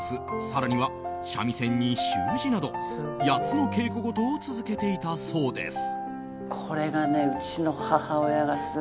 更には三味線に習字など８つの稽古事を続けていたそうです。